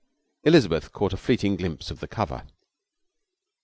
Elizabeth caught a fleeting glimpse of the cover.